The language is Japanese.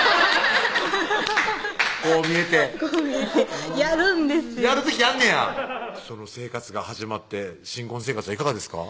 こう見えてこう見えてやるんですやる時やんねや生活が始まって新婚生活はいかがですか？